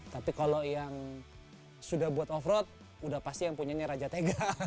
tapi kalau yang sudah buat off road udah pasti yang punya ini raja tega